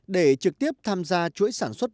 để trực tiếp tham gia chuỗi sản xuất